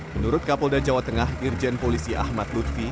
menurut kapolda jawa tengah irjen polisi ahmad lutfi